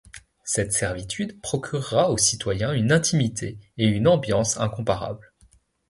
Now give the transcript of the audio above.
Cette servitude procurera aux citoyens une intimité et une ambiance incomparable.